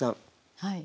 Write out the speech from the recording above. はい。